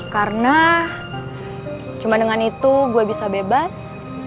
karena cuma dengan itu gue bisa bebas